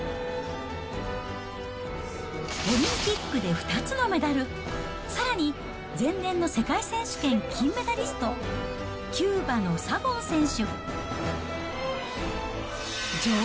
オリンピックで２つのメダル、さらに前年の世界選手権金メダリスト、キューバのサボン選手。